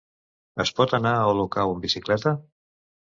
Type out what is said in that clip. Es pot anar a Olocau amb bicicleta?